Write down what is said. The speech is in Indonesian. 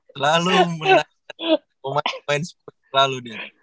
terlalu mulai main main seperti terlalu dia